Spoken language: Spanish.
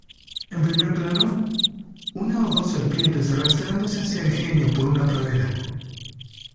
En primer plano, una o dos serpientes arrastrándose hacia el genio por una pradera.